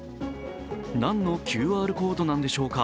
何のＱＲコードなんでしょうか。